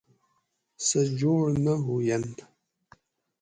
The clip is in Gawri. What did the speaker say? سہ جوڑ نہ ہوینت